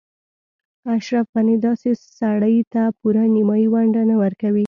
اشرف غني داسې سړي ته پوره نیمايي ونډه نه ورکوي.